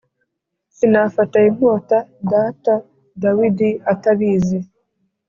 Sinafata inkota data dawidi atabizi